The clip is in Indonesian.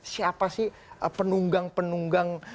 siapa sih penunggang penunggang